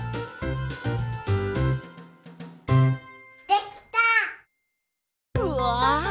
できた！わ！